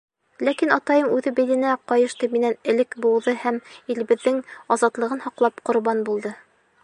Ләкин атайым үҙе биленә ҡайышты минән элек быуҙы һәм, илебеҙҙең азатлығын һаҡлап, ҡорбан булды.